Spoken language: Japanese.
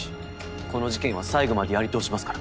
この事件は最後までやり通しますから。